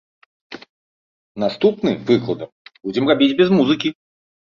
Наступны, прыкладам, будзем рабіць без музыкі.